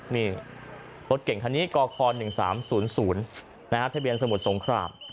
มีรถเก่งทานีกค๑๓๐๐ทะเบียนสมุดสงคราม